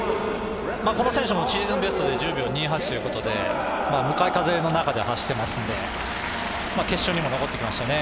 この選手もシーズンベストで１０秒２８向かい風の中で走ってますので決勝に残ってきましたね